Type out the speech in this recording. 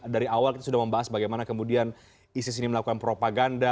dari awal kita sudah membahas bagaimana kemudian isis ini melakukan propaganda